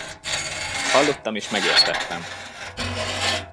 Hallottam és megértettem!